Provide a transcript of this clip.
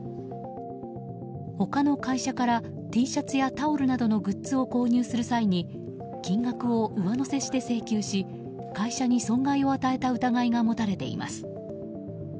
他の会社からＴシャツやタオルなどのグッズを購入する際に金額を上乗せして請求し会社に損害を与えた疑いが持たれています。